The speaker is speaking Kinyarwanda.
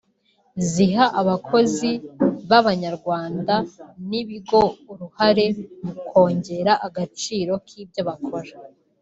ziha abakozi b’Abanyarwanda n’ibigo uruhare mu kongera agaciro k’ibyo bakora